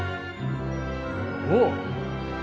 おっ！